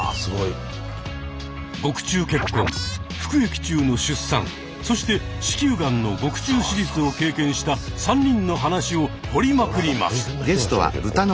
獄中結婚服役中の出産そして子宮がんの獄中手術を経験した３人の話を掘りまくります！